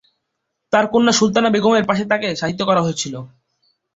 তার কন্যা সুলতানা বেগমের পাশে তাকে শায়িত করা হয়েছিল।